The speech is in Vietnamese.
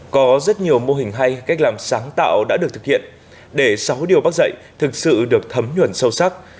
có rất nhiều mô hình hay cách làm sáng tạo đã được thực hiện để sáu điều bác dạy thực sự được thấm nhuẩn sâu sắc